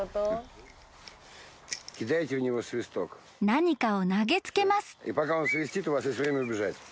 ［何かを投げ付けます］